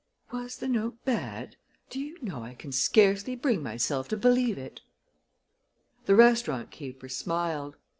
"Was the note bad? Do you know I can scarcely bring myself to believe it!" The restaurant keeper smiled.